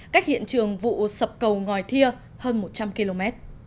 cách hiện trường vụ sập cầu ngòi thia hơn một trăm linh km